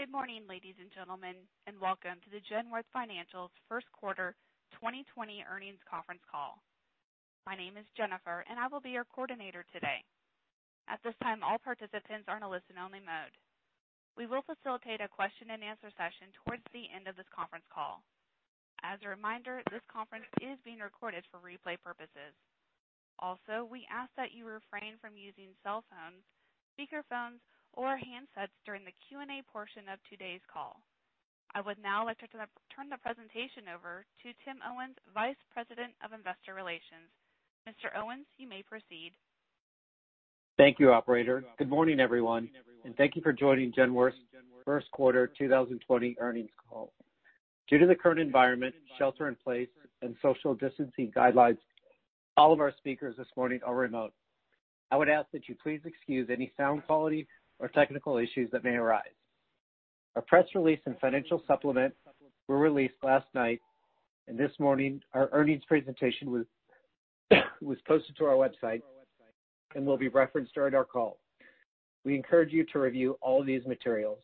Good morning, ladies and gentlemen, and welcome to the Genworth Financial's first quarter 2020 earnings conference call. My name is Jennifer, and I will be your coordinator today. At this time, all participants are in a listen-only mode. We will facilitate a question and answer session towards the end of this conference call. As a reminder, this conference is being recorded for replay purposes. We ask that you refrain from using cell phones, speaker phones, or handsets during the Q&A portion of today's call. I would now like to turn the presentation over to Tim Owens, Vice President of Investor Relations. Mr. Owens, you may proceed. Thank you, operator. Good morning, everyone, thank you for joining Genworth's first quarter 2020 earnings call. Due to the current environment, shelter in place, and social distancing guidelines, all of our speakers this morning are remote. I would ask that you please excuse any sound quality or technical issues that may arise. Our press release and financial supplement were released last night, and this morning, our earnings presentation was posted to our website and will be referenced during our call. We encourage you to review all these materials.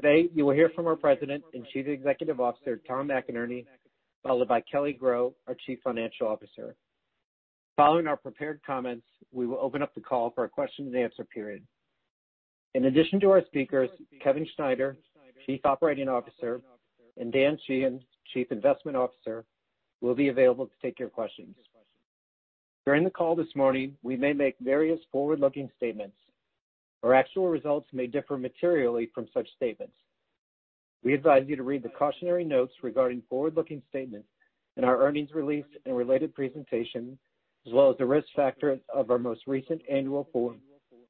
Today, you will hear from our President and Chief Executive Officer, Tom McInerney, followed by Kelly Groh, our Chief Financial Officer. Following our prepared comments, we will open up the call for a question and answer period. In addition to our speakers, Kevin Schneider, Chief Operating Officer, and Dan Sheehan, Chief Investment Officer, will be available to take your questions. During the call this morning, we may make various forward-looking statements. Our actual results may differ materially from such statements. We advise you to read the cautionary notes regarding forward-looking statements in our earnings release and related presentation, as well as the risk factors of our most recent annual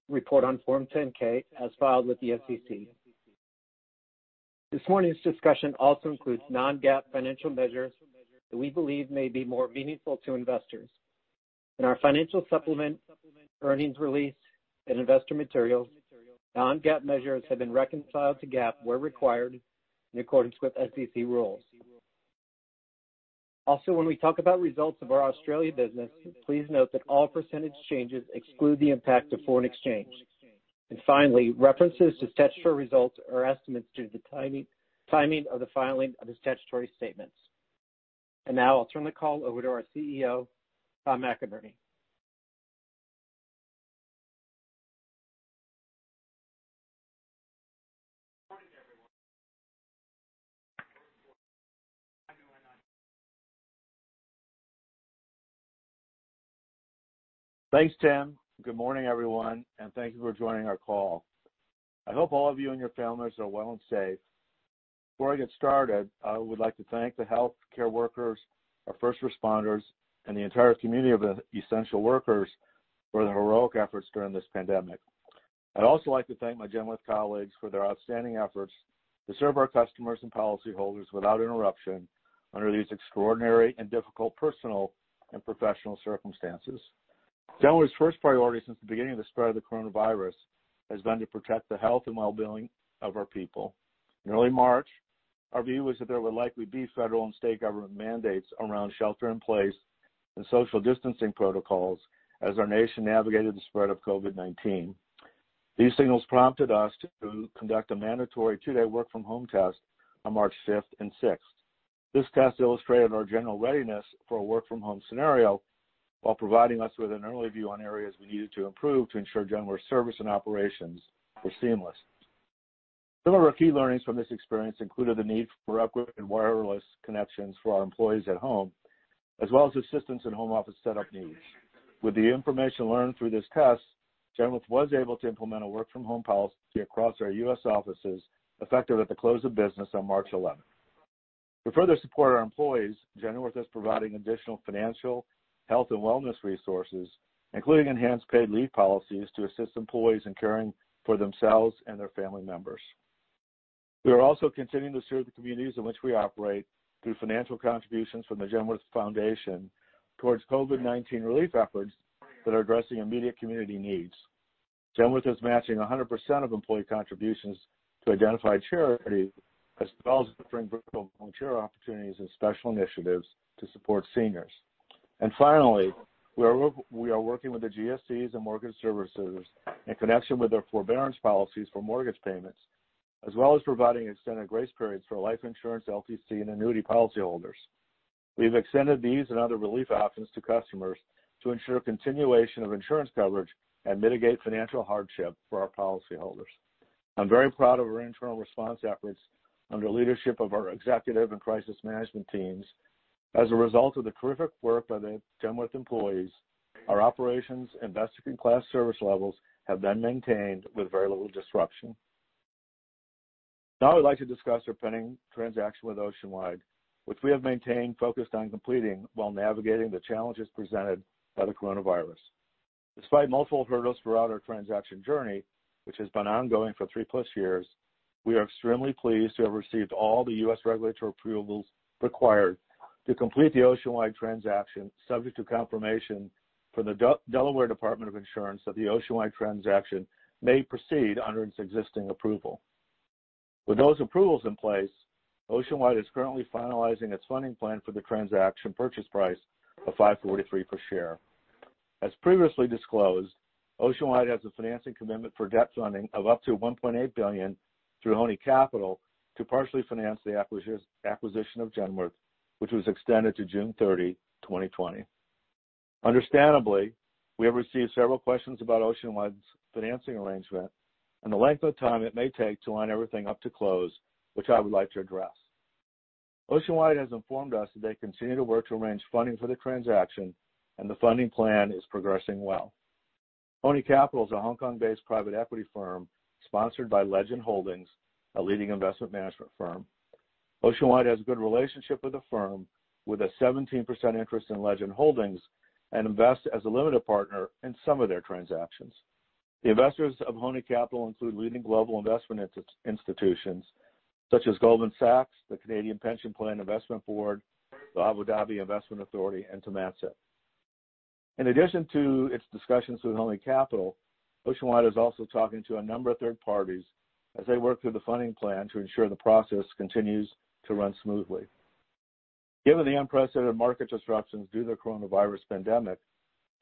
report on Form 10-K as filed with the SEC. This morning's discussion also includes non-GAAP financial measures that we believe may be more meaningful to investors. In our financial supplement, earnings release, and investor materials, non-GAAP measures have been reconciled to GAAP where required in accordance with SEC rules. When we talk about results of our Australia business, please note that all percentage changes exclude the impact of foreign exchange. Finally, references to statutory results are estimates due to the timing of the filing of the statutory statements. Now I'll turn the call over to our CEO, Tom McInerney. Good morning, everyone. Thanks, Tim. Good morning, everyone, and thank you for joining our call. I hope all of you and your families are well and safe. Before I get started, I would like to thank the healthcare workers, our first responders, and the entire community of essential workers for their heroic efforts during this pandemic. I'd also like to thank my Genworth colleagues for their outstanding efforts to serve our customers and policyholders without interruption under these extraordinary and difficult personal and professional circumstances. Genworth's first priority since the beginning of the spread of the coronavirus has been to protect the health and well-being of our people. In early March, our view was that there would likely be federal and state government mandates around shelter in place and social distancing protocols as our nation navigated the spread of COVID-19. These signals prompted us to conduct a mandatory two-day work from home test on March 5th and 6th. This test illustrated our general readiness for a work from home scenario while providing us with an early view on areas we needed to improve to ensure Genworth service and operations were seamless. Some of our key learnings from this experience included the need for adequate and wireless connections for our employees at home, as well as assistance in home office setup needs. With the information learned through this test, Genworth was able to implement a work from home policy across our U.S. offices, effective at the close of business on March 11th. To further support our employees, Genworth is providing additional financial, health, and wellness resources, including enhanced paid leave policies to assist employees in caring for themselves and their family members. We are also continuing to serve the communities in which we operate through financial contributions from the Genworth Foundation towards COVID-19 relief efforts that are addressing immediate community needs. Genworth is matching 100% of employee contributions to identified charities, as well as offering pro bono volunteer opportunities and special initiatives to support seniors. Finally, we are working with the GSEs and mortgage servicers in connection with their forbearance policies for mortgage payments, as well as providing extended grace periods for life insurance, LTC, and annuity policyholders. We've extended these and other relief options to customers to ensure continuation of insurance coverage and mitigate financial hardship for our policyholders. I'm very proud of our internal response efforts under the leadership of our executive and crisis management teams. As a result of the terrific work by the Genworth employees, our operations and best-in-class service levels have been maintained with very little disruption. Now I would like to discuss our pending transaction with Oceanwide, which we have maintained focus on completing while navigating the challenges presented by the coronavirus. Despite multiple hurdles throughout our transaction journey, which has been ongoing for three plus years, we are extremely pleased to have received all the U.S. regulatory approvals required to complete the Oceanwide transaction, subject to confirmation from the Delaware Department of Insurance that the Oceanwide transaction may proceed under its existing approval. With those approvals in place, Oceanwide is currently finalizing its funding plan for the transaction purchase price of $5.43 per share. As previously disclosed, Oceanwide has a financing commitment for debt funding of up to $1.8 billion through Hony Capital to partially finance the acquisition of Genworth, which was extended to June 30, 2020. Understandably, we have received several questions about Oceanwide's financing arrangement and the length of time it may take to line everything up to close, which I would like to address. Oceanwide has informed us that they continue to work to arrange funding for the transaction, and the funding plan is progressing well. Hony Capital is a Hong Kong-based private equity firm sponsored by Legend Holdings, a leading investment management firm. Oceanwide has a good relationship with the firm, with a 17% interest in Legend Holdings and invest as a limited partner in some of their transactions. The investors of Hony Capital include leading global investment institutions such as Goldman Sachs, the Canada Pension Plan Investment Board, the Abu Dhabi Investment Authority, and Temasek. In addition to its discussions with Hony Capital, Oceanwide is also talking to a number of third parties as they work through the funding plan to ensure the process continues to run smoothly. Given the unprecedented market disruptions due to the coronavirus pandemic,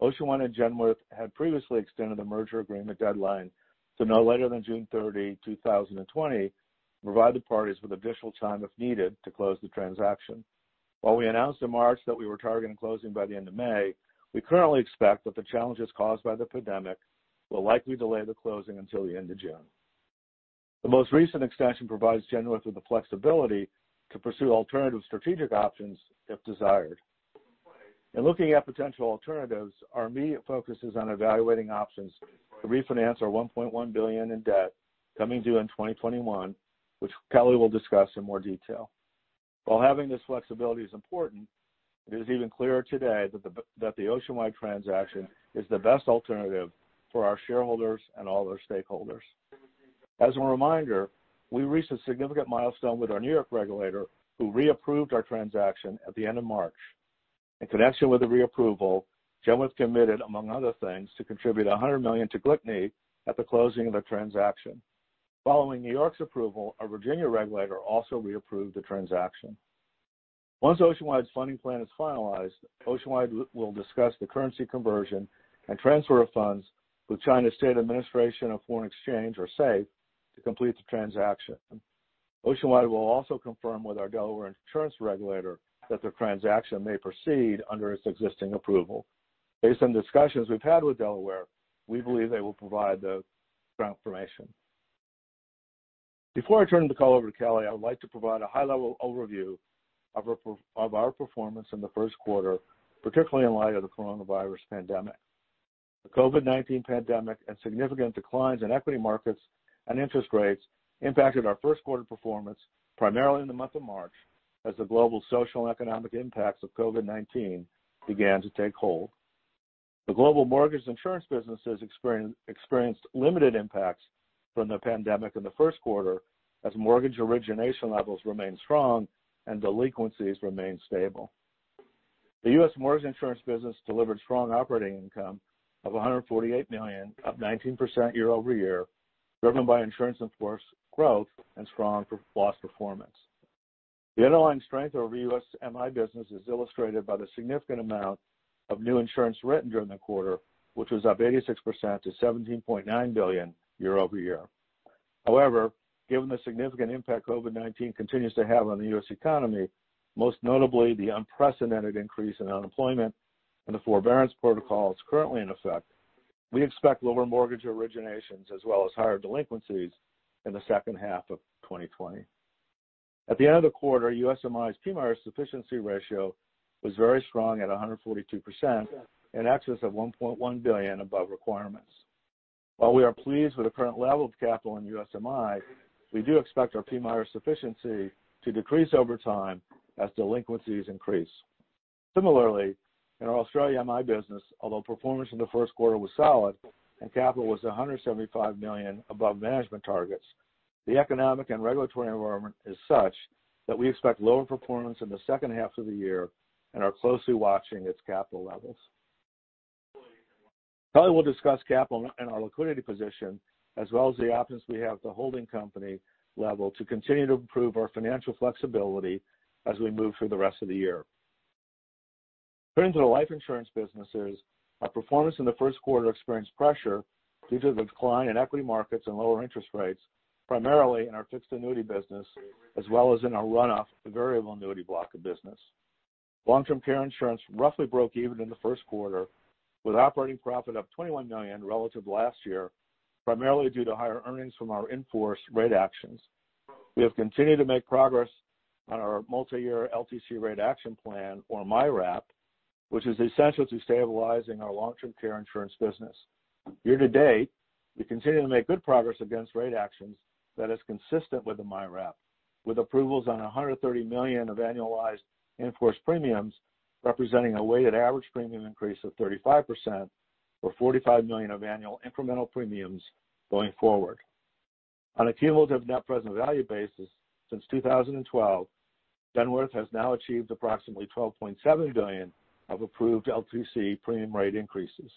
Oceanwide and Genworth had previously extended the merger agreement deadline to no later than June 30, 2020 to provide the parties with additional time if needed to close the transaction. While we announced in March that we were targeting closing by the end of May, we currently expect that the challenges caused by the pandemic will likely delay the closing until the end of June. The most recent extension provides Genworth with the flexibility to pursue alternative strategic options if desired. In looking at potential alternatives, our immediate focus is on evaluating options to refinance our $1.1 billion in debt coming due in 2021, which Kelly will discuss in more detail. While having this flexibility is important, it is even clearer today that the Oceanwide transaction is the best alternative for our shareholders and all their stakeholders. As a reminder, we reached a significant milestone with our New York regulator, who reapproved our transaction at the end of March. In connection with the reapproval, Genworth committed, among other things, to contribute $100 million to GLICNY at the closing of the transaction. Following New York's approval, our Virginia regulator also reapproved the transaction. Once Oceanwide's funding plan is finalized, Oceanwide will discuss the currency conversion and transfer of funds with China's State Administration of Foreign Exchange, or SAFE, to complete the transaction. Oceanwide will also confirm with our Delaware insurance regulator that the transaction may proceed under its existing approval. Based on discussions we've had with Delaware, we believe they will provide the confirmation. Before I turn the call over to Kelly, I would like to provide a high-level overview of our performance in the first quarter, particularly in light of the coronavirus pandemic. The COVID-19 pandemic and significant declines in equity markets and interest rates impacted our first quarter performance primarily in the month of March as the global social and economic impacts of COVID-19 began to take hold. The global mortgage insurance business has experienced limited impacts from the pandemic in the first quarter as mortgage origination levels remained strong and delinquencies remained stable. The U.S. mortgage insurance business delivered strong operating income of $148 million, up 19% year-over-year, driven by insurance in-force growth and strong loss performance. The underlying strength of our U.S. MI business is illustrated by the significant amount of new insurance written during the quarter, which was up 86% to $17.9 billion year-over-year. However, given the significant impact COVID-19 continues to have on the U.S. economy, most notably the unprecedented increase in unemployment and the forbearance protocol that's currently in effect, we expect lower mortgage originations as well as higher delinquencies in the second half of 2020. At the end of the quarter, U.S. MI's PMIERs sufficiency ratio was very strong at 142%, in excess of $1.1 billion above requirements. While we are pleased with the current level of capital in U.S. MI, we do expect our PMIERs sufficiency to decrease over time as delinquencies increase. Similarly, in our Australia MI business, although performance in the first quarter was solid and capital was 175 million above management targets, the economic and regulatory environment is such that we expect lower performance in the second half of the year and are closely watching its capital levels. Kelly will discuss capital and our liquidity position as well as the options we have at the holding company level to continue to improve our financial flexibility as we move through the rest of the year. Turning to the life insurance businesses, our performance in the first quarter experienced pressure due to the decline in equity markets and lower interest rates, primarily in our fixed annuity business, as well as in our runoff and variable annuity block of business. Long-term care insurance roughly broke even in the first quarter, with operating profit up $21 million relative to last year, primarily due to higher earnings from our in-force rate actions. We have continued to make progress on our multi-year LTC rate action plan, or MYRAP, which is essential to stabilizing our long-term care insurance business. Year to date, we continue to make good progress against rate actions that is consistent with the MYRAP, with approvals on $130 million of annualized in-force premiums, representing a weighted average premium increase of 35%, or $45 million of annual incremental premiums going forward. On a cumulative net present value basis since 2012, Genworth has now achieved approximately $12.7 billion of approved LTC premium rate increases.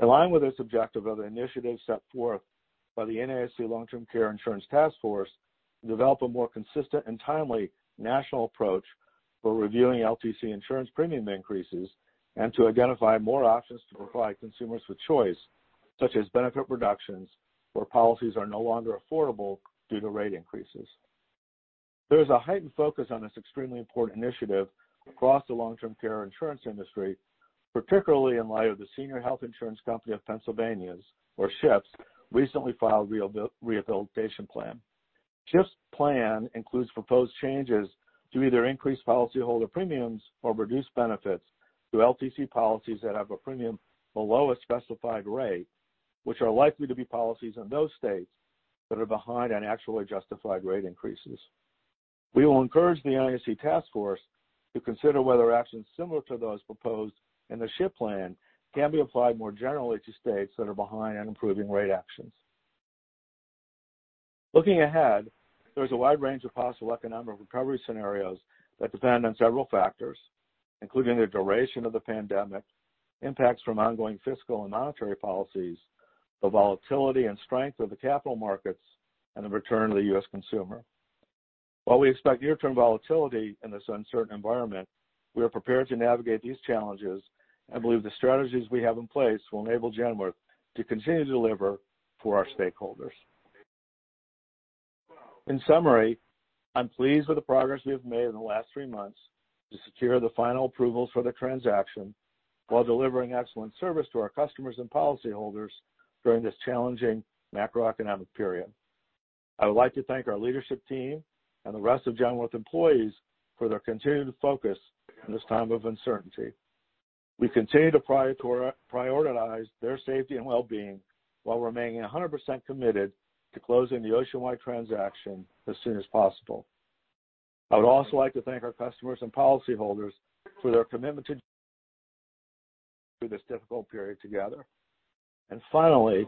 Aligned with this objective of the initiative set forth by the NAIC Long-Term Care Insurance Task Force to develop a more consistent and timely national approach for reviewing LTC insurance premium increases and to identify more options to provide consumers with choice, such as benefit reductions where policies are no longer affordable due to rate increases. There is a heightened focus on this extremely important initiative across the long-term care insurance industry, particularly in light of the Senior Health Insurance Company of Pennsylvania's, or SHIP's, recently filed rehabilitation plan. SHIP's plan includes proposed changes to either increase policyholder premiums or reduce benefits through LTC policies that have a premium below a specified rate, which are likely to be policies in those states that are behind on actually justified rate increases. We will encourage the NAIC Task Force to consider whether actions similar to those proposed in the SHIP plan can be applied more generally to states that are behind on improving rate actions. Looking ahead, there is a wide range of possible economic recovery scenarios that depend on several factors, including the duration of the pandemic, impacts from ongoing fiscal and monetary policies, the volatility and strength of the capital markets, and the return of the U.S. consumer. While we expect near-term volatility in this uncertain environment, we are prepared to navigate these challenges and believe the strategies we have in place will enable Genworth to continue to deliver for our stakeholders. In summary, I'm pleased with the progress we have made in the last three months to secure the final approvals for the transaction while delivering excellent service to our customers and policyholders during this challenging macroeconomic period. I would like to thank our leadership team and the rest of Genworth employees for their continued focus in this time of uncertainty. We continue to prioritize their safety and wellbeing while remaining 100% committed to closing the Oceanwide transaction as soon as possible. I would also like to thank our customers and policyholders for their commitment to this difficult period together. Finally,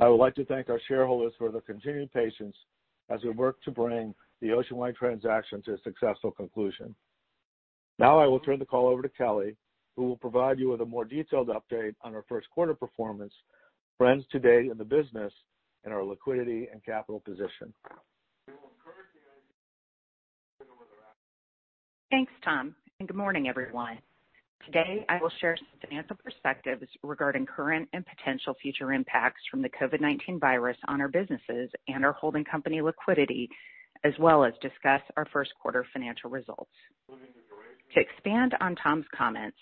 I would like to thank our shareholders for their continued patience as we work to bring the Oceanwide transaction to a successful conclusion. Now I will turn the call over to Kelly, who will provide you with a more detailed update on our first quarter performance, trends today in the business, and our liquidity and capital position. Thanks, Tom. Good morning, everyone. Today, I will share some financial perspectives regarding current and potential future impacts from the COVID-19 virus on our businesses and our holding company liquidity, as well as discuss our first quarter financial results. To expand on Tom's comments,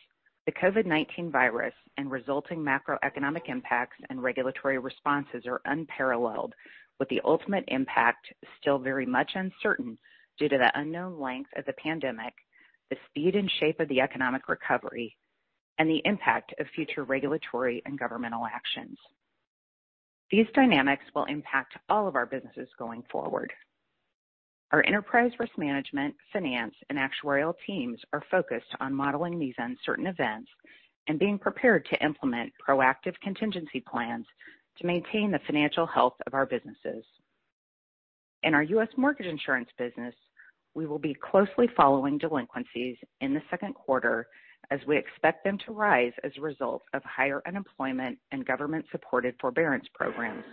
the COVID-19 virus and resulting macroeconomic impacts and regulatory responses are unparalleled with the ultimate impact still very much uncertain due to the unknown length of the pandemic, the speed and shape of the economic recovery, and the impact of future regulatory and governmental actions. These dynamics will impact all of our businesses going forward. Our enterprise risk management, finance, and actuarial teams are focused on modeling these uncertain events and being prepared to implement proactive contingency plans to maintain the financial health of our businesses. In our U.S. mortgage insurance business, we will be closely following delinquencies in the second quarter as we expect them to rise as a result of higher unemployment and government-supported forbearance programs.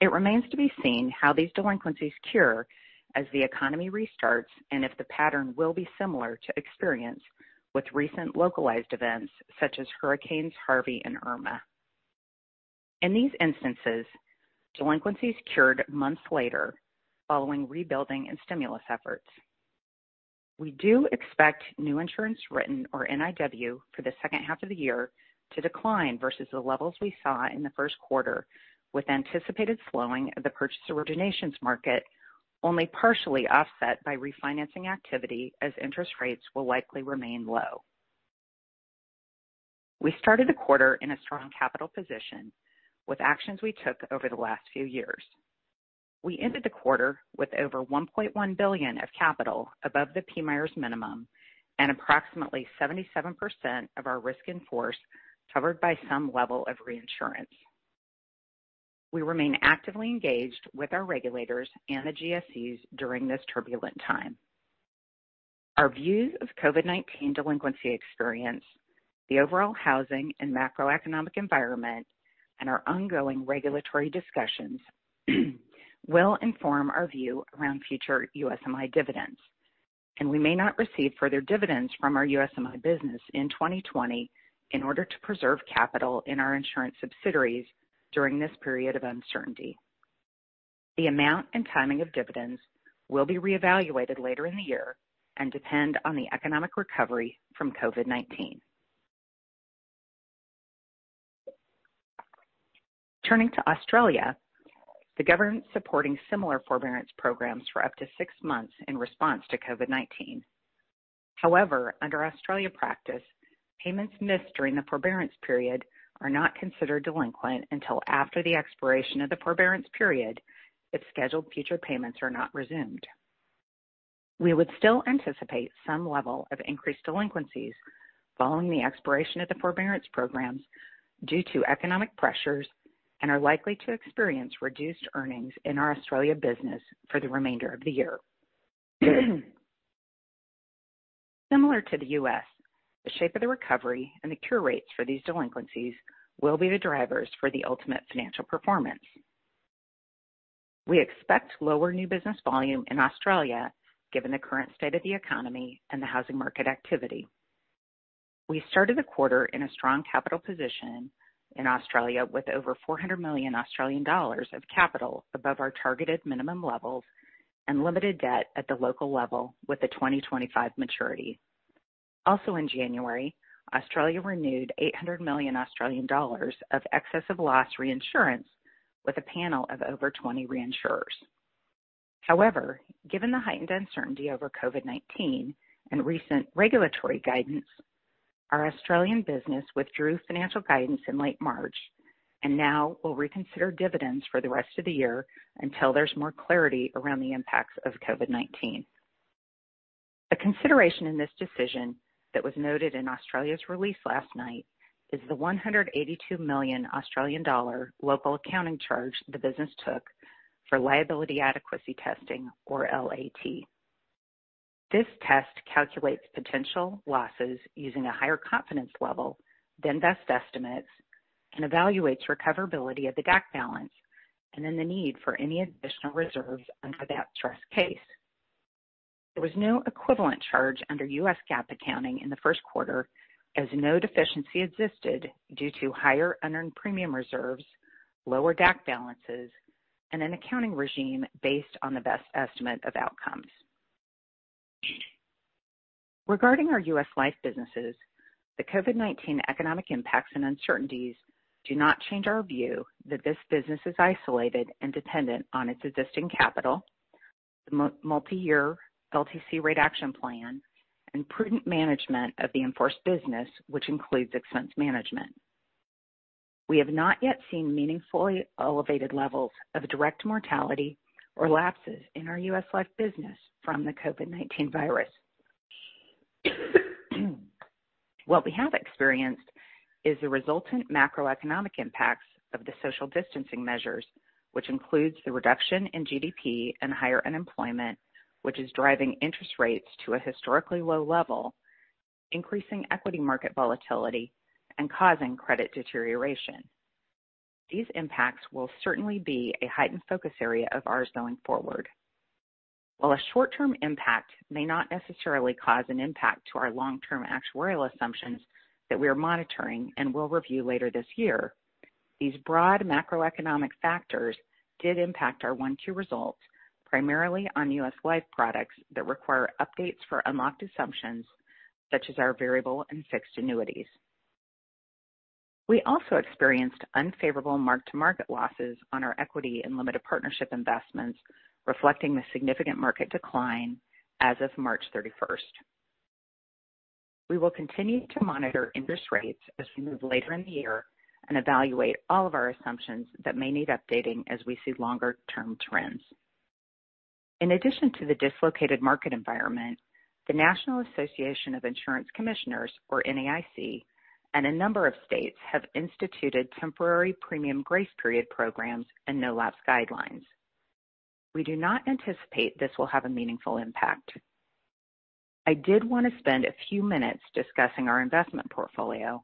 It remains to be seen how these delinquencies cure as the economy restarts and if the pattern will be similar to experience with recent localized events such as Hurricanes Harvey and Irma. In these instances, delinquencies cured months later following rebuilding and stimulus efforts. We do expect new insurance written, or NIW, for the second half of the year to decline versus the levels we saw in the first quarter with anticipated slowing of the purchase originations market only partially offset by refinancing activity as interest rates will likely remain low. We started the quarter in a strong capital position with actions we took over the last few years. We ended the quarter with over $1.1 billion of capital above the PMIERs minimum and approximately 77% of our risk in force covered by some level of reinsurance. We remain actively engaged with our regulators and the GSEs during this turbulent time. Our views of COVID-19 delinquency experience, the overall housing and macroeconomic environment, and our ongoing regulatory discussions will inform our view around future U.S. MI dividends, and we may not receive further dividends from our U.S. MI business in 2020 in order to preserve capital in our insurance subsidiaries during this period of uncertainty. The amount and timing of dividends will be reevaluated later in the year and depend on the economic recovery from COVID-19. Turning to Australia, the government's supporting similar forbearance programs for up to six months in response to COVID-19. However, under Australia practice, payments missed during the forbearance period are not considered delinquent until after the expiration of the forbearance period if scheduled future payments are not resumed. We would still anticipate some level of increased delinquencies following the expiration of the forbearance programs due to economic pressures and are likely to experience reduced earnings in our Australia business for the remainder of the year. Similar to the U.S., the shape of the recovery and the cure rates for these delinquencies will be the drivers for the ultimate financial performance. We expect lower new business volume in Australia, given the current state of the economy and the housing market activity. We started the quarter in a strong capital position in Australia, with over 400 million Australian dollars of capital above our targeted minimum levels, and limited debt at the local level with a 2025 maturity. In January, Australia renewed 800 million Australian dollars of excess of loss reinsurance with a panel of over 20 reinsurers. Given the heightened uncertainty over COVID-19 and recent regulatory guidance, our Australian business withdrew financial guidance in late March, and now will reconsider dividends for the rest of the year until there's more clarity around the impacts of COVID-19. A consideration in this decision that was noted in Australia's release last night is the 182 million Australian dollar local accounting charge the business took for liability adequacy testing, or LAT. This test calculates potential losses using a higher confidence level than best estimates, and evaluates recoverability of the DAC balance, and then the need for any additional reserves under that stress case. There was no equivalent charge under U.S. GAAP accounting in the first quarter, as no deficiency existed due to higher unearned premium reserves, lower DAC balances, and an accounting regime based on the best estimate of outcomes. Regarding our U.S. life businesses, the COVID-19 economic impacts and uncertainties do not change our view that this business is isolated and dependent on its existing capital, the multi-year LTC rate action plan, and prudent management of the in-force business, which includes expense management. We have not yet seen meaningfully elevated levels of direct mortality or lapses in our U.S. life business from the COVID-19 virus. What we have experienced is the resultant macroeconomic impacts of the social distancing measures, which includes the reduction in GDP and higher unemployment, which is driving interest rates to a historically low level, increasing equity market volatility, and causing credit deterioration. These impacts will certainly be a heightened focus area of ours going forward. While a short-term impact may not necessarily cause an impact to our long-term actuarial assumptions that we are monitoring and will review later this year, these broad macroeconomic factors did impact our 1Q results, primarily on U.S. life products that require updates for unlocked assumptions, such as our variable and fixed annuities. We also experienced unfavorable mark-to-market losses on our equity and limited partnership investments, reflecting the significant market decline as of March 31st. We will continue to monitor interest rates as we move later in the year, and evaluate all of our assumptions that may need updating as we see longer-term trends. In addition to the dislocated market environment, the National Association of Insurance Commissioners, or NAIC, and a number of states have instituted temporary premium grace period programs and no-lapse guidelines. We do not anticipate this will have a meaningful impact. I did want to spend a few minutes discussing our investment portfolio.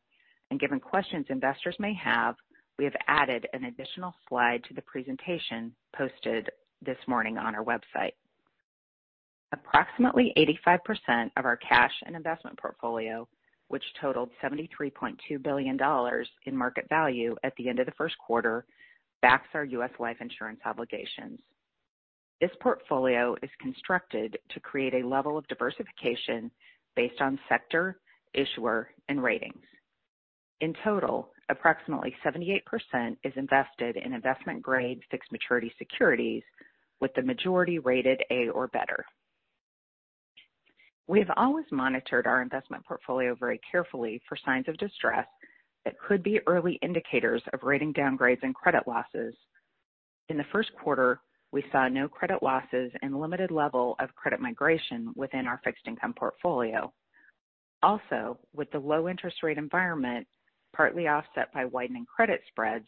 Given questions investors may have, we have added an additional slide to the presentation posted this morning on our website. Approximately 85% of our cash and investment portfolio, which totaled $73.2 billion in market value at the end of the first quarter, backs our U.S. life insurance obligations. This portfolio is constructed to create a level of diversification based on sector, issuer, and ratings. In total, approximately 78% is invested in investment-grade, fixed maturity securities, with the majority rated A or better. We've always monitored our investment portfolio very carefully for signs of distress that could be early indicators of rating downgrades and credit losses. In the first quarter, we saw no credit losses and limited level of credit migration within our fixed income portfolio. With the low interest rate environment partly offset by widening credit spreads,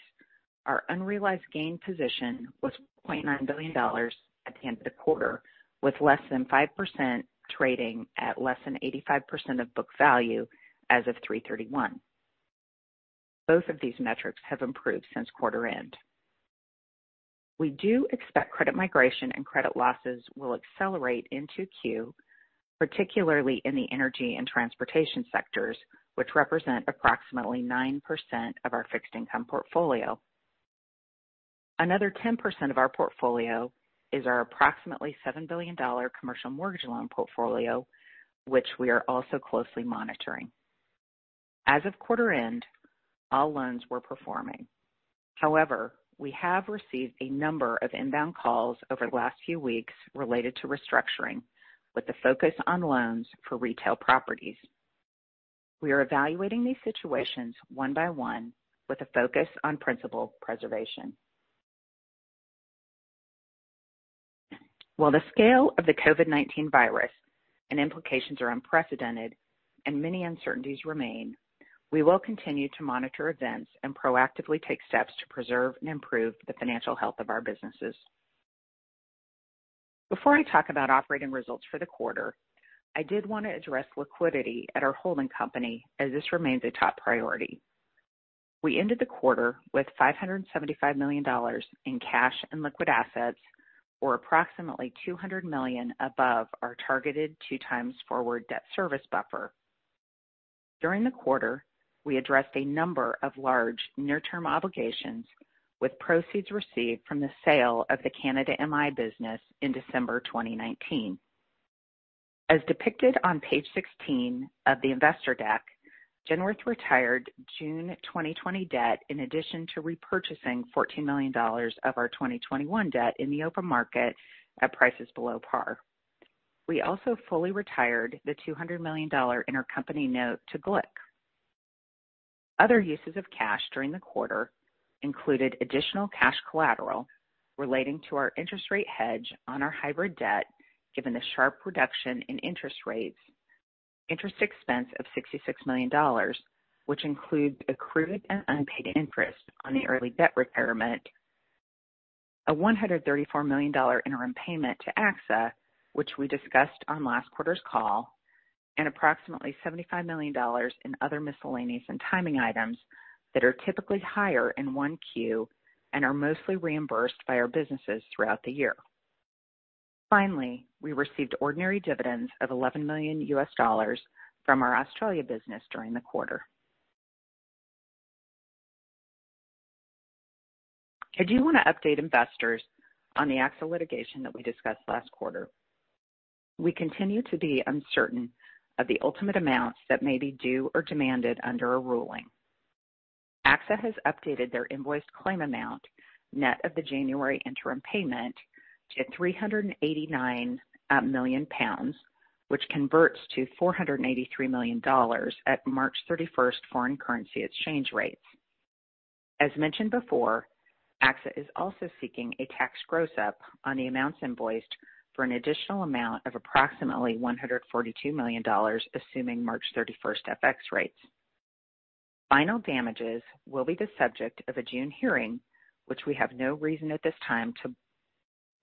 our unrealized gain position was $4.9 billion at the end of the quarter, with less than 5% trading at less than 85% of book value as of 3/31. Both of these metrics have improved since quarter end. We do expect credit migration and credit losses will accelerate into Q2, particularly in the energy and transportation sectors, which represent approximately 9% of our fixed income portfolio. Another 10% of our portfolio is our approximately $7 billion commercial mortgage loan portfolio, which we are also closely monitoring. As of quarter end, all loans were performing. We have received a number of inbound calls over the last few weeks related to restructuring, with the focus on loans for retail properties. We are evaluating these situations one by one with a focus on principal preservation. While the scale of the COVID-19 virus and implications are unprecedented and many uncertainties remain, we will continue to monitor events and proactively take steps to preserve and improve the financial health of our businesses. Before I talk about operating results for the quarter, I did want to address liquidity at our holding company, as this remains a top priority. We ended the quarter with $575 million in cash and liquid assets, or approximately $200 million above our targeted two times forward debt service buffer. During the quarter, we addressed a number of large near-term obligations with proceeds received from the sale of the Canada MI business in December 2019. As depicted on page 16 of the investor deck, Genworth retired June 2020 debt in addition to repurchasing $14 million of our 2021 debt in the open market at prices below par. We also fully retired the $200 million intercompany note to GLIC. Other uses of cash during the quarter included additional cash collateral relating to our interest rate hedge on our hybrid debt, given the sharp reduction in interest rates. Interest expense of $66 million, which includes accrued and unpaid interest on the early debt retirement, a $134 million interim payment to AXA, which we discussed on last quarter's call, and approximately $75 million in other miscellaneous and timing items that are typically higher in 1Q, and are mostly reimbursed by our businesses throughout the year. Finally, we received ordinary dividends of $11 million from our Australia business during the quarter. I do want to update investors on the AXA litigation that we discussed last quarter. We continue to be uncertain of the ultimate amounts that may be due or demanded under a ruling. AXA has updated their invoiced claim amount, net of the January interim payment to 389 million pounds, which converts to $483 million at March 31st foreign currency exchange rates. As mentioned before, AXA is also seeking a tax gross-up on the amounts invoiced for an additional amount of approximately $142 million, assuming March 31st FX rates. Final damages will be the subject of a June hearing, which we have no reason at this time to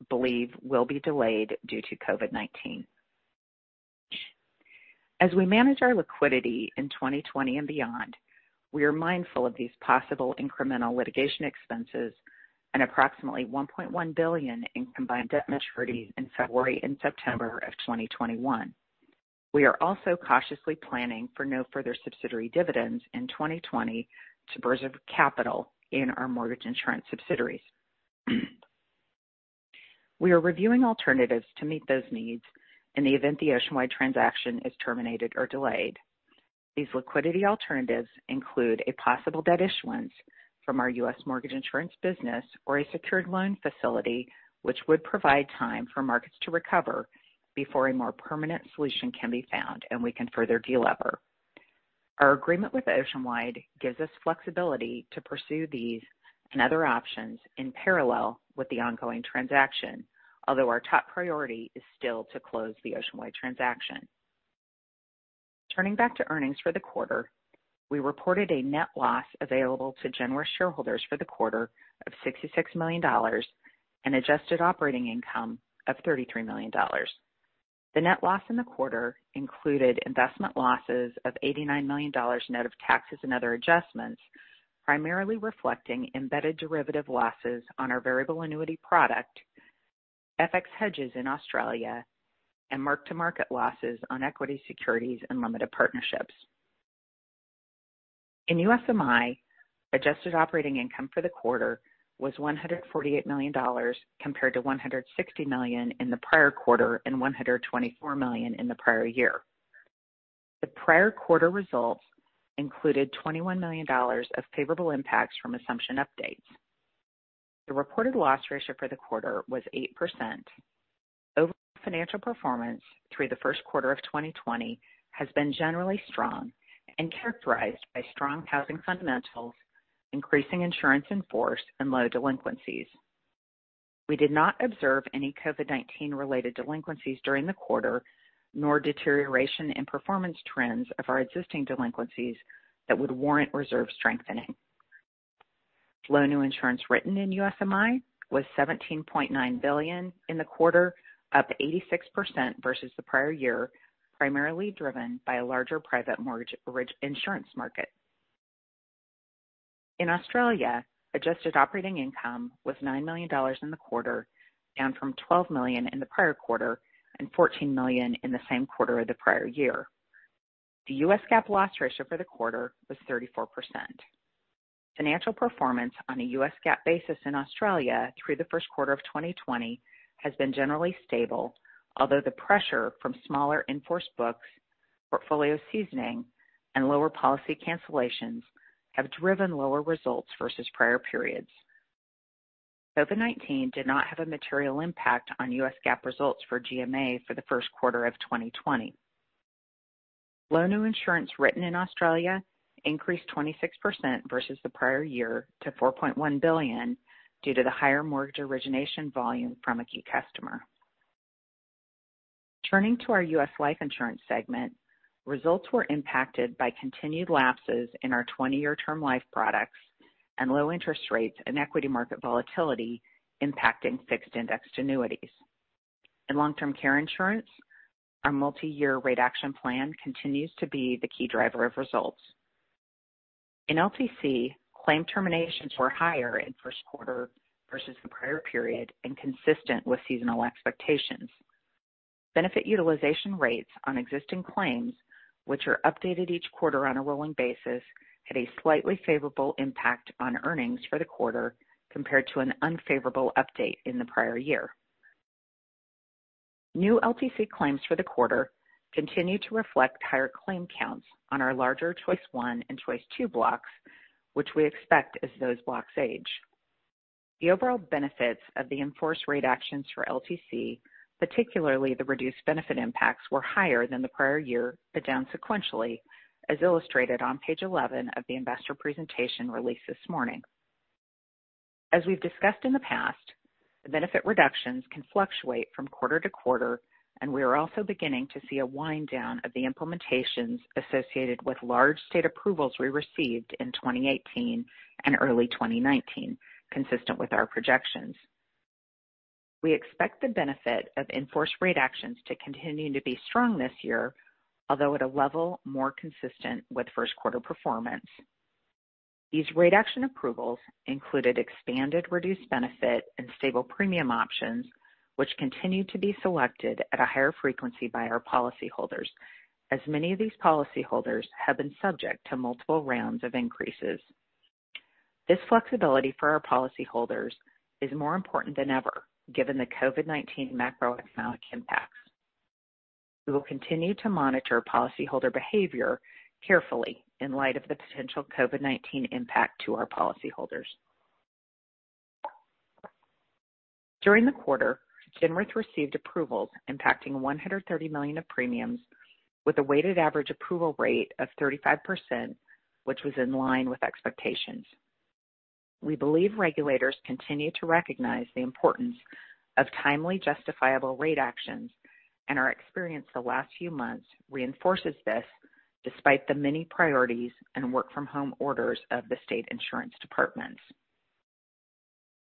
believe will be delayed due to COVID-19. As we manage our liquidity in 2020 and beyond, we are mindful of these possible incremental litigation expenses and approximately $1.1 billion in combined debt maturities in February and September of 2021. We are also cautiously planning for no further subsidiary dividends in 2020 to preserve capital in our mortgage insurance subsidiaries. We are reviewing alternatives to meet those needs in the event the Oceanwide transaction is terminated or delayed. These liquidity alternatives include a possible debt issuance from our U.S. mortgage insurance business or a secured loan facility, which would provide time for markets to recover before a more permanent solution can be found and we can further delever. Our agreement with Oceanwide gives us flexibility to pursue these and other options in parallel with the ongoing transaction, although our top priority is still to close the Oceanwide transaction. Turning back to earnings for the quarter, we reported a net loss available to Genworth shareholders for the quarter of $66 million and adjusted operating income of $33 million. The net loss in the quarter included investment losses of $89 million net of taxes and other adjustments, primarily reflecting embedded derivative losses on our variable annuity product, FX hedges in Australia, and mark-to-market losses on equity securities and limited partnerships. In U.S. MI, adjusted operating income for the quarter was $148 million, compared to $160 million in the prior quarter and $124 million in the prior year. The prior quarter results included $21 million of favorable impacts from assumption updates. The reported loss ratio for the quarter was 8%. Overall financial performance through the first quarter of 2020 has been generally strong and characterized by strong housing fundamentals, increasing insurance in force, and low delinquencies. We did not observe any COVID-19-related delinquencies during the quarter, nor deterioration in performance trends of our existing delinquencies that would warrant reserve strengthening. Loan new insurance written in U.S. MI was $17.9 billion in the quarter, up 86% versus the prior year, primarily driven by a larger private mortgage insurance market. In Australia, adjusted operating income was $9 million in the quarter, down from $12 million in the prior quarter and $14 million in the same quarter of the prior year. The U.S. GAAP loss ratio for the quarter was 34%. Financial performance on a U.S. GAAP basis in Australia through the first quarter of 2020 has been generally stable, although the pressure from smaller in-force books, portfolio seasoning, and lower policy cancellations have driven lower results versus prior periods. COVID-19 did not have a material impact on U.S. GAAP results for GMA for the first quarter of 2020. Loan new insurance written in Australia increased 26% versus the prior year to $4.1 billion due to the higher mortgage origination volume from a key customer. Turning to our U.S. Life Insurance segment, results were impacted by continued lapses in our 20-year term life products and low interest rates and equity market volatility impacting fixed indexed annuities. In long-term care insurance, our multi-year rate action plan continues to be the key driver of results. In LTC, claim terminations were higher in first quarter versus the prior period and consistent with seasonal expectations. Benefit utilization rates on existing claims, which are updated each quarter on a rolling basis, had a slightly favorable impact on earnings for the quarter compared to an unfavorable update in the prior year. New LTC claims for the quarter continue to reflect higher claim counts on our larger Choice I and Choice II blocks, which we expect as those blocks age. The overall benefits of the enforced rate actions for LTC, particularly the reduced benefit impacts, were higher than the prior year, but down sequentially, as illustrated on page 11 of the investor presentation released this morning. As we've discussed in the past, the benefit reductions can fluctuate from quarter to quarter, and we are also beginning to see a wind down of the implementations associated with large state approvals we received in 2018 and early 2019, consistent with our projections. We expect the benefit of enforced rate actions to continue to be strong this year, although at a level more consistent with first-quarter performance. These rate action approvals included expanded reduced benefit and stable premium options, which continue to be selected at a higher frequency by our policyholders, as many of these policyholders have been subject to multiple rounds of increases. This flexibility for our policyholders is more important than ever given the COVID-19 macroeconomic impacts. We will continue to monitor policyholder behavior carefully in light of the potential COVID-19 impact to our policyholders. During the quarter, Genworth received approvals impacting $130 million of premiums with a weighted average approval rate of 35%, which was in line with expectations. We believe regulators continue to recognize the importance of timely justifiable rate actions, and our experience the last few months reinforces this, despite the many priorities and work from home orders of the state insurance departments.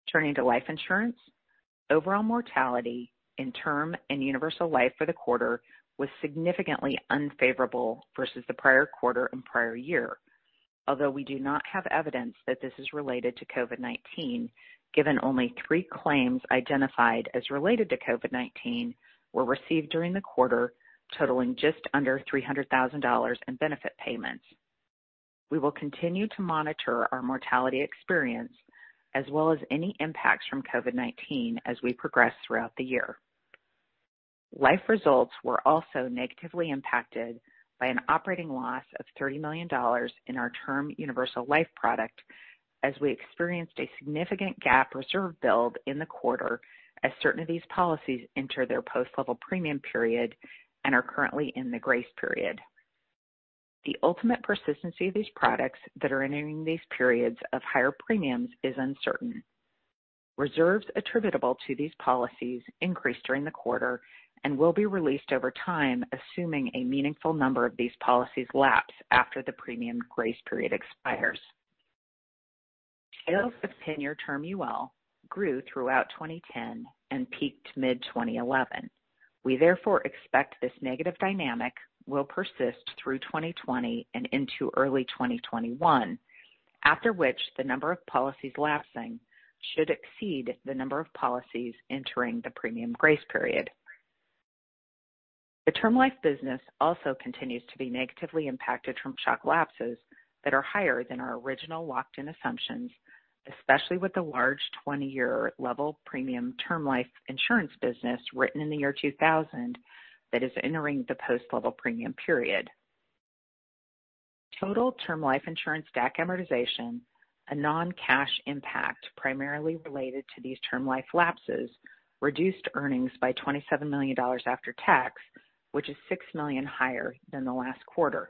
Turning to life insurance, overall mortality in term and universal life for the quarter was significantly unfavorable versus the prior quarter and prior year. Although we do not have evidence that this is related to COVID-19, given only three claims identified as related to COVID-19 were received during the quarter, totaling just under $300,000 in benefit payments. We will continue to monitor our mortality experience as well as any impacts from COVID-19 as we progress throughout the year. Life results were also negatively impacted by an operating loss of $30 million in our term universal life product as we experienced a significant gap reserve build in the quarter as certain of these policies enter their post level premium period and are currently in the grace period. The ultimate persistency of these products that are entering these periods of higher premiums is uncertain. Reserves attributable to these policies increased during the quarter and will be released over time, assuming a meaningful number of these policies lapse after the premium grace period expires. 10-year term UL grew throughout 2010 and peaked mid-2011. We therefore expect this negative dynamic will persist through 2020 and into early 2021, after which the number of policies lapsing should exceed the number of policies entering the premium grace period. The term life business also continues to be negatively impacted from shock lapses that are higher than our original locked-in assumptions, especially with the large 20-year level premium term life insurance business written in the year 2000 that is entering the post level premium period. Total term life insurance DAC amortization, a non-cash impact primarily related to these term life lapses, reduced earnings by $27 million after tax, which is $6 million higher than the last quarter.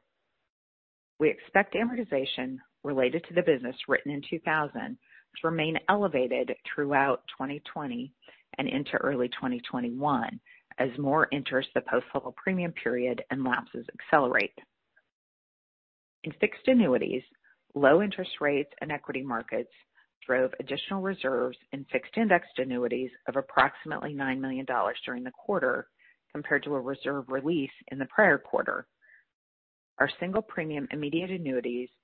We expect amortization related to the business written in 2000 to remain elevated throughout 2020 and into early 2021 as more enters the post level premium period and lapses accelerate. In fixed annuities, low interest rates and equity markets drove additional reserves in fixed-indexed annuities of approximately $9 million during the quarter compared to a reserve release in the prior quarter. Our single premium immediate annuities did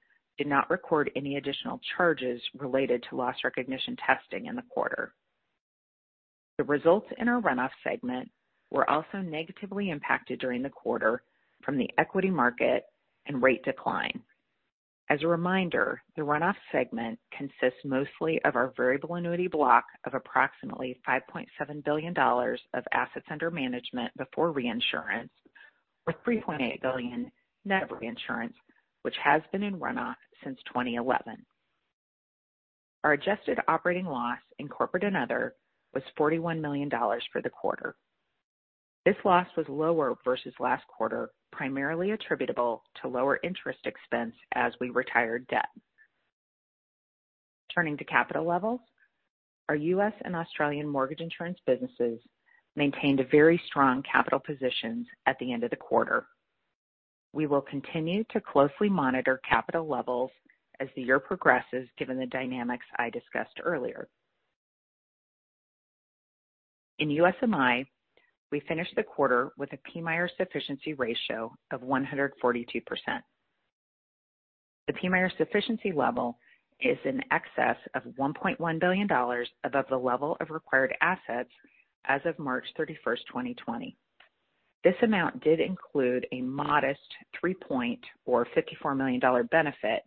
not record any additional charges related to loss recognition testing in the quarter. The results in our runoff segment were also negatively impacted during the quarter from the equity market and rate decline. As a reminder, the runoff segment consists mostly of our variable annuity block of approximately $5.7 billion of assets under management before reinsurance, with $3.8 billion net reinsurance, which has been in runoff since 2011. Our adjusted operating loss in corporate and other was $41 million for the quarter. This loss was lower versus last quarter, primarily attributable to lower interest expense as we retired debt. Turning to capital levels, our U.S. and Australian mortgage insurance businesses maintained a very strong capital positions at the end of the quarter. We will continue to closely monitor capital levels as the year progresses, given the dynamics I discussed earlier. In U.S. MI, we finished the quarter with a PMIERs sufficiency ratio of 142%. The PMIERs sufficiency level is in excess of $1.1 billion above the level of required assets as of March 31, 2020. This amount did include a modest three-point or $54 million benefit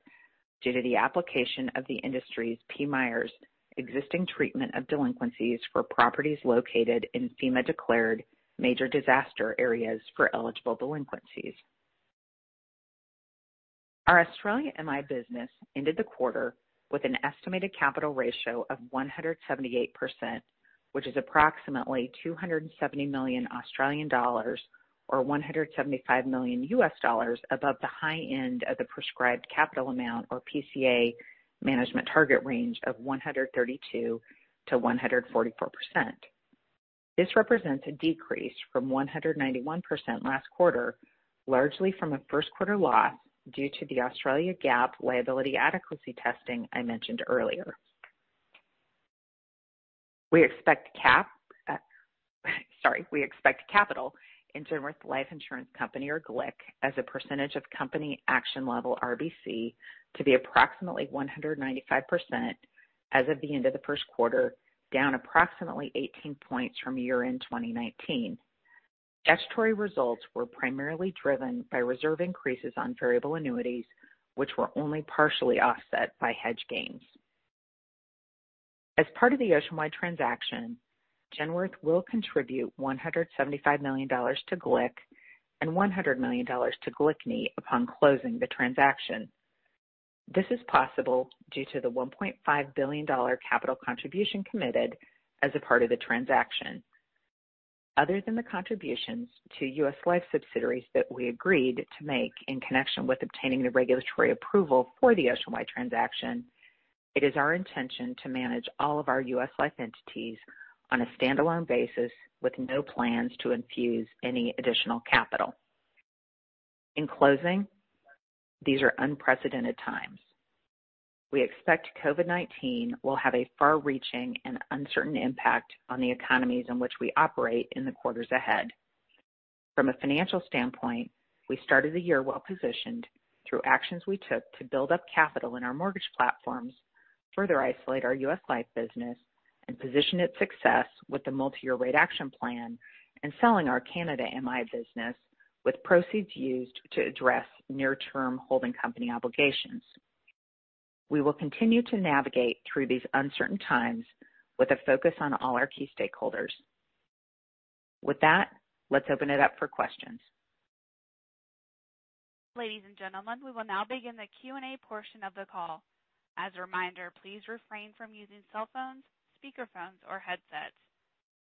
due to the application of the industry's PMIERs existing treatment of delinquencies for properties located in FEMA-declared major disaster areas for eligible delinquencies. Our Australia MI business ended the quarter with an estimated capital ratio of 178%, which is approximately 270 million Australian dollars, or $175 million above the high end of the prescribed capital amount, or PCA management target range of 132%-144%. This represents a decrease from 191% last quarter, largely from a first quarter loss due to the Australia GAAP liability adequacy testing I mentioned earlier. We expect capital in Genworth Life Insurance Company, or GLIC, as a percentage of company action level RBC, to be approximately 195% as of the end of the first quarter, down approximately 18 points from year-end 2019. Statutory results were primarily driven by reserve increases on variable annuities, which were only partially offset by hedge gains. As part of the Oceanwide transaction, Genworth will contribute $175 million to GLIC and $100 million to GLICNY upon closing the transaction. This is possible due to the $1.5 billion capital contribution committed as a part of the transaction. Other than the contributions to U.S. Life subsidiaries that we agreed to make in connection with obtaining the regulatory approval for the Oceanwide transaction, it is our intention to manage all of our U.S. Life entities on a standalone basis with no plans to infuse any additional capital. In closing, these are unprecedented times. We expect COVID-19 will have a far-reaching and uncertain impact on the economies in which we operate in the quarters ahead. From a financial standpoint, we started the year well-positioned through actions we took to build up capital in our mortgage platforms, further isolate our U.S. Life business and position its success with the multi-year rate action plan and selling our Canada MI business with proceeds used to address near-term holding company obligations. We will continue to navigate through these uncertain times with a focus on all our key stakeholders. With that, let's open it up for questions. Ladies and gentlemen, we will now begin the Q&A portion of the call. As a reminder, please refrain from using cell phones, speaker phones or headsets.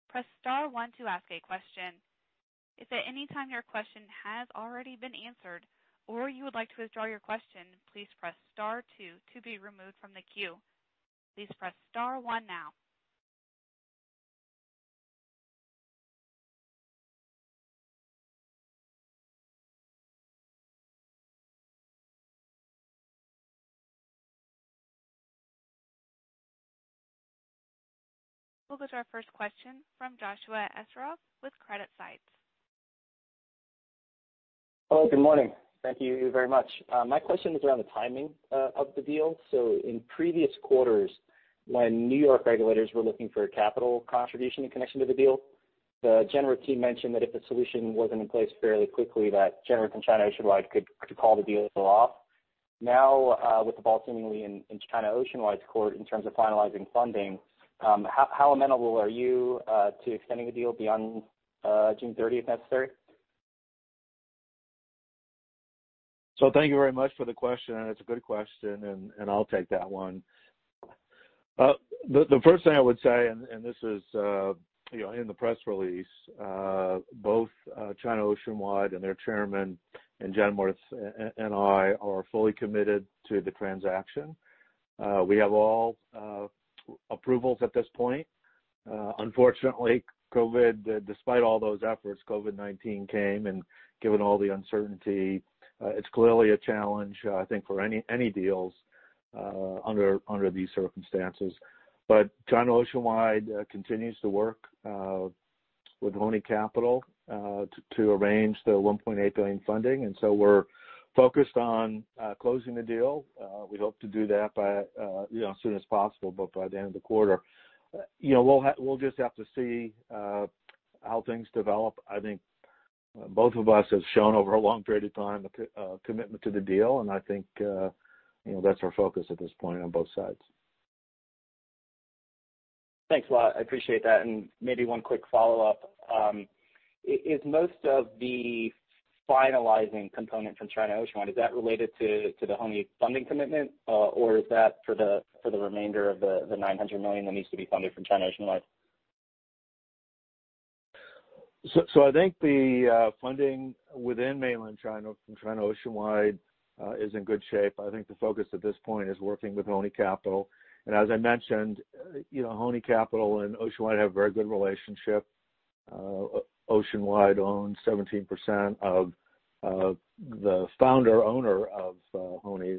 Press star one to ask a question. If at any time your question has already been answered or you would like to withdraw your question, please press star two to be removed from the queue. Please press star one now. We'll go to our first question from Joshua Esterov with CreditSights. Hello, good morning. Thank you very much. My question is around the timing of the deal. In previous quarters, when New York regulators were looking for a capital contribution in connection to the deal, the Genworth team mentioned that if the solution wasn't in place fairly quickly, that Genworth and China Oceanwide could call the deal off. With the ball seemingly in China Oceanwide's court in terms of finalizing funding, how amenable are you to extending the deal beyond June 30th necessary? Thank you very much for the question, and it's a good question, and I'll take that one. The first thing I would say, and this is in the press release, both China Oceanwide and their chairman and Genworth and I are fully committed to the transaction. We have all approvals at this point. Unfortunately, despite all those efforts, COVID-19 came, and given all the uncertainty, it's clearly a challenge, I think, for any deals under these circumstances. China Oceanwide continues to work with Hony Capital to arrange the $1.8 billion funding, we're focused on closing the deal. We hope to do that as soon as possible, but by the end of the quarter. We'll just have to see how things develop. I think both of us have shown over a long period of time a commitment to the deal, and I think that's our focus at this point on both sides. Thanks a lot. I appreciate that. Maybe one quick follow-up. Is most of the finalizing component from China Oceanwide, is that related to the Hony funding commitment? Or is that for the remainder of the $900 million that needs to be funded from China Oceanwide? I think the funding within mainland China from China Oceanwide is in good shape. I think the focus at this point is working with Hony Capital. As I mentioned, Hony Capital and Oceanwide have a very good relationship. Oceanwide owns 17% of the founder-owner of Hony,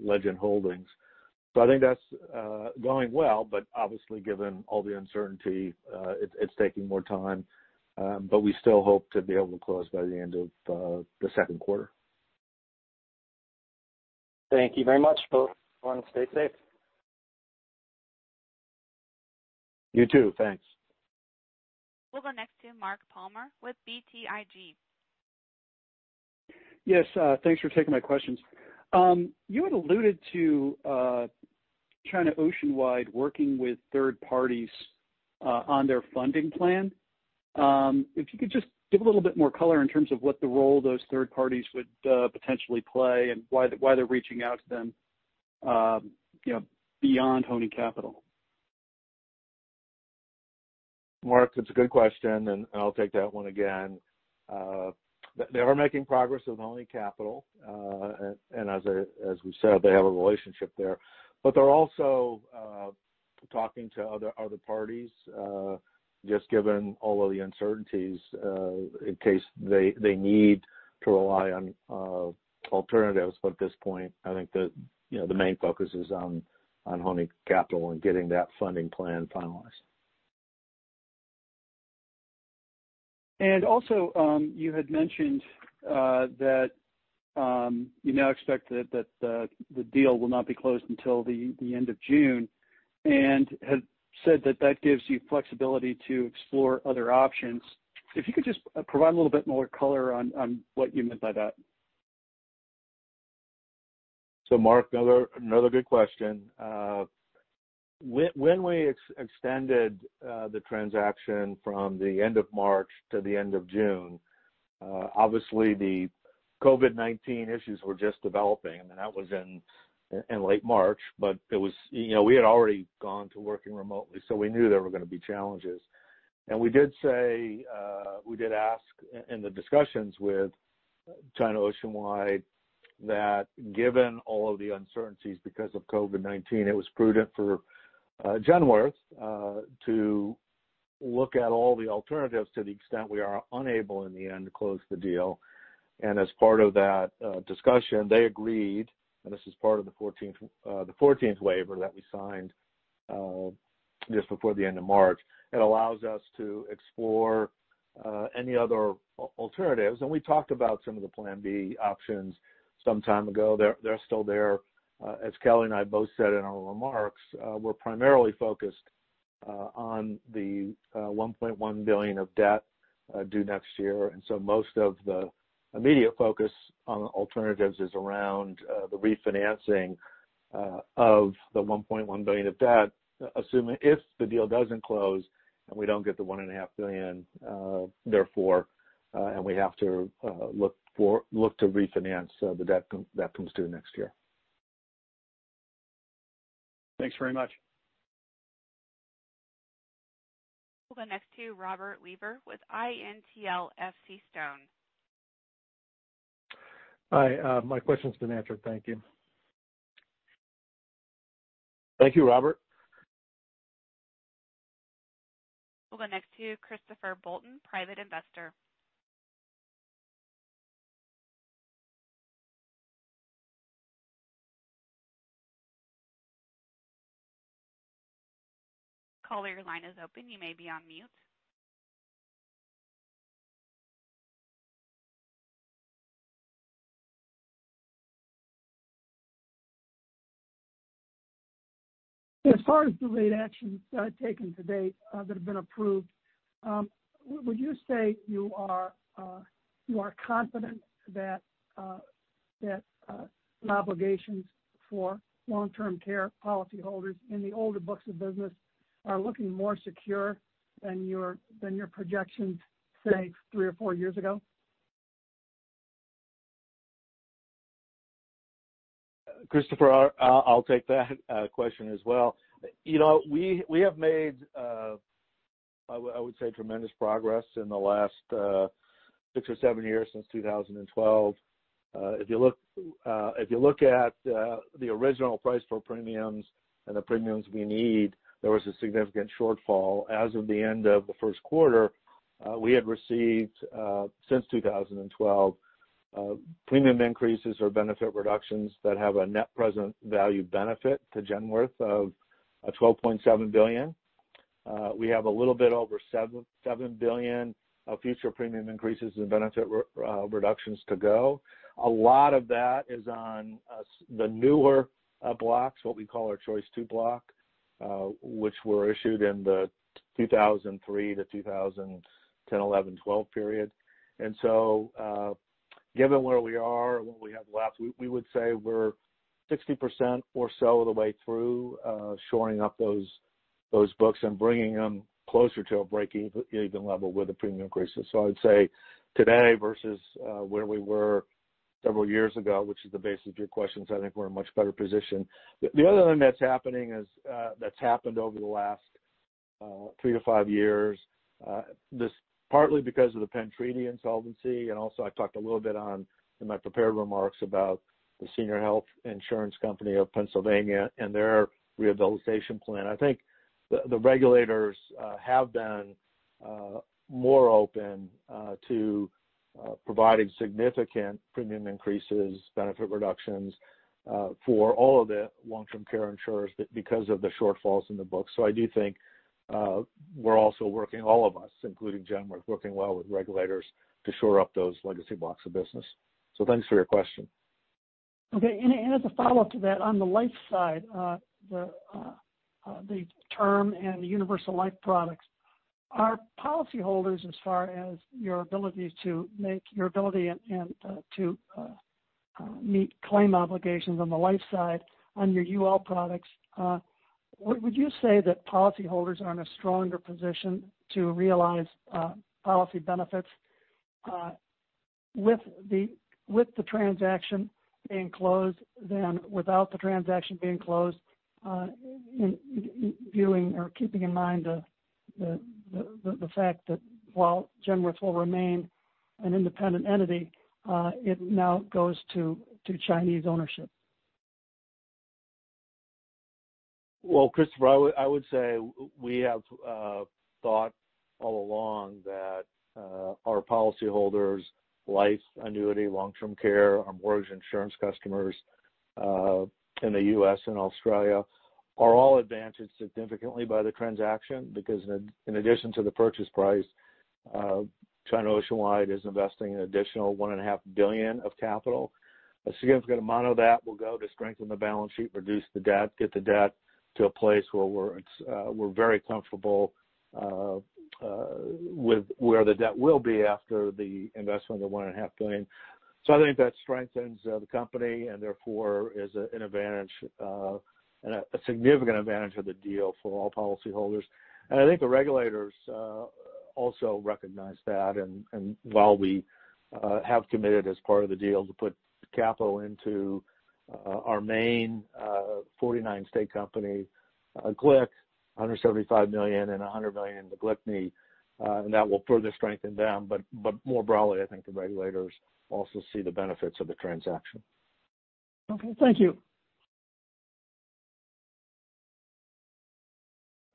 Legend Holdings. I think that's going well, but obviously, given all the uncertainty, it's taking more time, but we still hope to be able to close by the end of the second quarter. Thank you very much. Stay safe. You too. Thanks. We'll go next to Mark Palmer with BTIG. Yes. Thanks for taking my questions. You had alluded to China Oceanwide working with third parties on their funding plan. If you could just give a little bit more color in terms of what the role those third parties would potentially play and why they're reaching out to them, beyond Hony Capital. Mark, that's a good question, and I'll take that one again. They are making progress with Hony Capital. As we said, they have a relationship there. They're also talking to other parties, just given all of the uncertainties, in case they need to rely on alternatives. At this point, I think the main focus is on Hony Capital and getting that funding plan finalized. Also, you had mentioned that you now expect that the deal will not be closed until the end of June and had said that that gives you flexibility to explore other options. If you could just provide a little bit more color on what you meant by that. Mark, another good question. When we extended the transaction from the end of March to the end of June, obviously the COVID-19 issues were just developing, and that was in late March. We had already gone to working remotely, so we knew there were going to be challenges. We did ask in the discussions with China Oceanwide that given all of the uncertainties because of COVID-19, it was prudent for Genworth to look at all the alternatives to the extent we are unable in the end to close the deal. As part of that discussion, they agreed, and this is part of the 14th waiver that we signed just before the end of March. It allows us to explore any other alternatives. We talked about some of the plan B options some time ago. They're still there. As Kelly and I both said in our remarks, we're primarily focused on the $1.1 billion of debt due next year, and so most of the immediate focus on alternatives is around the refinancing of the $1.1 billion of debt, assuming if the deal doesn't close and we don't get the $1.5 billion, therefore, and we have to look to refinance the debt that comes due next year. Thanks very much. We'll go next to Robert Lever with INTL FCStone. Hi. My question's been answered. Thank you. Thank you, Robert. We'll go next to Christopher Bolton, private investor. Caller, your line is open. You may be on mute. As far as delayed actions taken to date that have been approved, would you say you are confident that the obligations for long-term care policyholders in the older books of business are looking more secure than your projections, say, three or four years ago? Christopher, I'll take that question as well. We have made, I would say, tremendous progress in the last six or seven years since 2012. If you look at the original price for premiums and the premiums we need, there was a significant shortfall. As of the end of the first quarter, we had received, since 2012, premium increases or benefit reductions that have a net present value benefit to Genworth of $12.7 billion. We have a little bit over $7 billion of future premium increases and benefit reductions to go. A lot of that is on the newer blocks, what we call our Choice II block, which were issued in the 2003 to 2011, 2012 period. Given where we are and what we have left, we would say we're 60% or so of the way through shoring up those books and bringing them closer to a break-even level with the premium increases. I'd say today versus where we were several years ago, which is the basis of your questions, I think we're in a much better position. The other thing that's happened over the last three to five years, this partly because of the Penn Treaty insolvency, and also I talked a little bit on, in my prepared remarks about the Senior Health Insurance Company of Pennsylvania and their rehabilitation plan. I think the regulators have been more open to providing significant premium increases, benefit reductions, for all of the long-term care insurers because of the shortfalls in the books. I do think we're also working, all of us, including Genworth, working well with regulators to shore up those legacy blocks of business. Thanks for your question. Okay. As a follow-up to that, on the life side, the term and universal life products, are policyholders as far as your ability to meet claim obligations on the life side on your UL products, would you say that policyholders are in a stronger position to realize policy benefits with the transaction being closed than without the transaction being closed, keeping in mind the fact that while Genworth will remain an independent entity, it now goes to Chinese ownership? Well, Christopher, I would say we have thought all along that our policyholders, life annuity, long-term care, our mortgage insurance customers, in the U.S. and Australia, are all advantaged significantly by the transaction because in addition to the purchase price, China Oceanwide is investing an additional $1.5 billion of capital. A significant amount of that will go to strengthen the balance sheet, reduce the debt, get the debt to a place where we're very comfortable with where the debt will be after the investment of $1.5 billion. I think that strengthens the company and therefore is an advantage, a significant advantage of the deal for all policyholders. I think the regulators also recognize that. While we have committed as part of the deal to put capital into our main 49-state company, GLIC, $175 million and $100 million to GLICNY, and that will further strengthen them. More broadly, I think the regulators also see the benefits of the transaction. Okay. Thank you.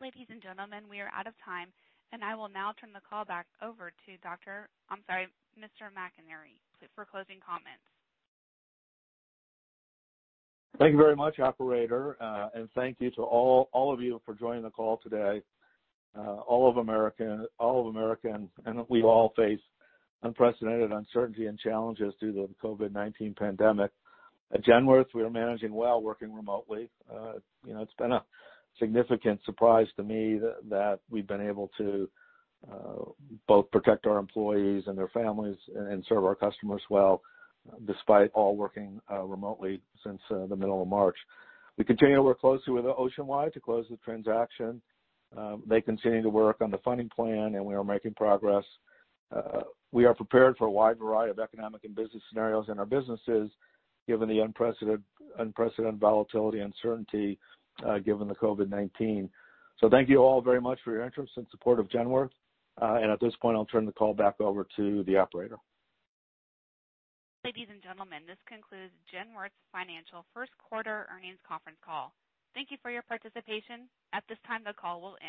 Ladies and gentlemen, we are out of time, and I will now turn the call back over to Mr. McInerney for closing comments. Thank you very much, operator. Thank you to all of you for joining the call today. All of America, we've all faced unprecedented uncertainty and challenges due to the COVID-19 pandemic. At Genworth, we are managing well, working remotely. It's been a significant surprise to me that we've been able to both protect our employees and their families and serve our customers well despite all working remotely since the middle of March. We continue to work closely with Oceanwide to close the transaction. They continue to work on the funding plan, and we are making progress. We are prepared for a wide variety of economic and business scenarios in our businesses given the unprecedented volatility uncertainty given the COVID-19. Thank you all very much for your interest and support of Genworth. At this point I'll turn the call back over to the operator. Ladies and gentlemen, this concludes Genworth Financial first quarter earnings conference call. Thank you for your participation. At this time, the call will end.